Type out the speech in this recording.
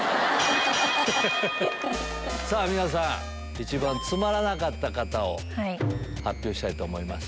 一番つまらなかった方を発表したいと思います。